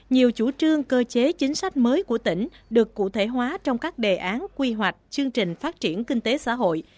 nhiều chủ trương cơ chế chính sách mới của tỉnh được cụ thể hóa trong các đề án quy hoạch chương trình phát triển kinh tế xã hội